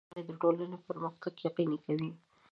درناوی د ښو اړیکو له لارې د ټولنې پرمختګ یقیني کوي.